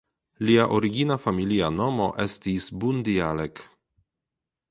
Lia origina familia nomo estis "Bundialek".